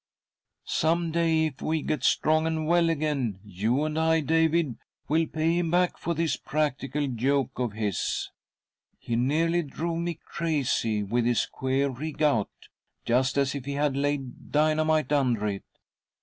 *?■' Some day, if we get strong and well again — .you and I, David — we'll pay him back for this practical joke of this. He nearly drove me crazy with his queer rig out, just as if he had laid dynamite under it.